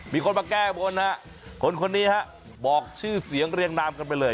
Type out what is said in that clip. มีคนมาแก้บนฮะคนนี้ฮะบอกชื่อเสียงเรียงนามกันไปเลย